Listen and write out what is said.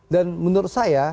dan menurut saya